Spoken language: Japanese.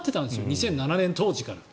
２００７年当時から。